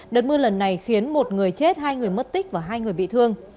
đợt mưa lần này khiến một người chết hai người mất tích và hai người bị thương